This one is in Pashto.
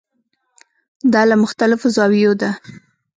دا له مختلفو زاویو ده.